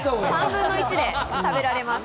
３分の１で食べられます。